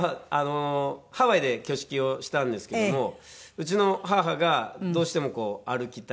ハワイで挙式をしたんですけどもうちの母がどうしても歩きたい。